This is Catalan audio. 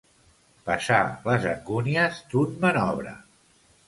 Passar les angúnies d'un manobre.